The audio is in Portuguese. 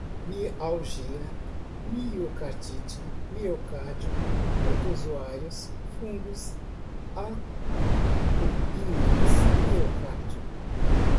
mialgia, miocardite, miocárdio, protozoários, fungos, autoimunes, miocárdio